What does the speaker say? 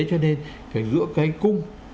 cho nên thì giữa cái cung